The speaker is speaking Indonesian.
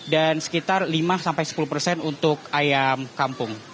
dan sekitar lima sampai sepuluh persen untuk ayam kampung